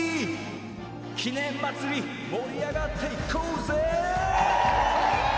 記念まつり盛り上がっていこうぜえ！